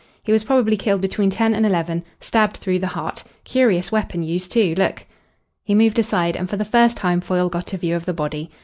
"He was probably killed between ten and eleven stabbed through the heart. Curious weapon used too look!" He moved aside and for the first time Foyle got a view of the body.